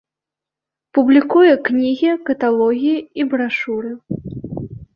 Публікуе кнігі, каталогі і брашуры.